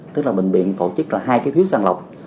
tức là bệnh viện tổ chức là hai cái phiếu sàng lọc